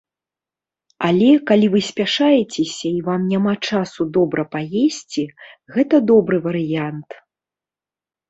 Але, калі вы спяшаецеся і вам няма часу добра паесці, гэта добры варыянт.